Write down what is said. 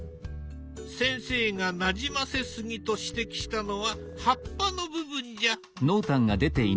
先生がなじませすぎと指摘したのは葉っぱの部分じゃ。